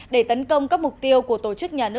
để tấn công các mục tiêu của tổ chức nhà nước